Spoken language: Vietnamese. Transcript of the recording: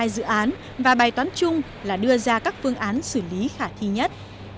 hai dự án và bài toán chung là đưa ra các phương án xử lý khả thi nhất